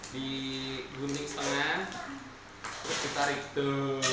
digunting setengah ditarik tuh